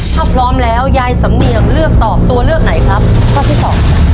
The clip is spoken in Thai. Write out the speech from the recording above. ถ้าพร้อมแล้วยายสำเนียงเลือกตอบตัวเลือกไหนครับข้อที่สองค่ะ